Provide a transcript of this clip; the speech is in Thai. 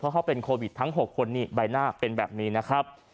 เขาเป็นโควิดทั้ง๖คนนี่ใบหน้าเป็นแบบนี้นะครับ